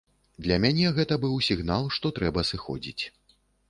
Для мяне гэта быў сігнал, што трэба сыходзіць.